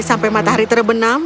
sampai matahari terbenam